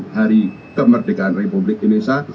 hari kemerdekaan republik indonesia